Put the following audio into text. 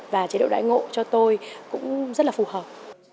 và chế độ đại ngộ cho tôi cũng rất là phù hợp